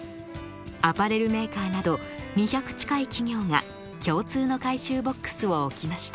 アパレルメーカーなど２００近い企業が共通の回収ボックスを置きました。